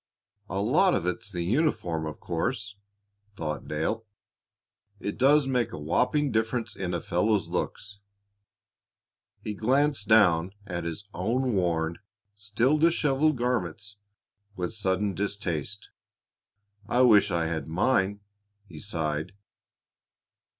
"A lot of it's the uniform, of course," thought Dale. "It does make a whopping difference in a fellow's looks." He glanced down at his own worn, still disheveled garments with sudden distaste. "I wish I had mine!" he sighed.